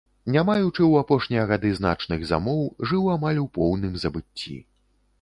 Не маючы ў апошнія гады значных замоў, жыл амаль у поўным забыцці.